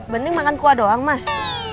penting makan kuah doang mas